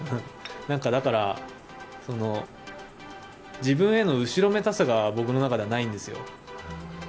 だから、自分への後ろめたさが僕の中ではないんですよ。